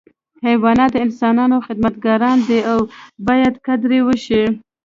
حیوانات د انسانانو خدمتګاران دي او باید قدر یې وشي.